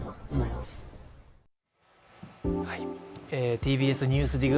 ＴＢＳ「ＮＥＷＳＤＩＧ」